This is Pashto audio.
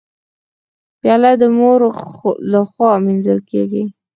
پیاله د مور لخوا مینځل کېږي.